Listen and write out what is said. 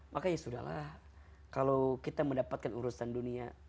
makanya sudah lah kalau kita mendapatkan urusan dunia